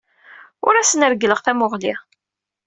Ur asent-reggleɣ tamuɣli.